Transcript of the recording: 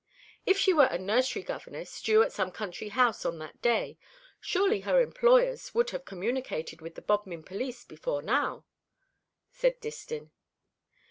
"If she were a nursery governess, due at some country house on that day, surely her employers would have communicated with the Bodmin police before now," said Distin.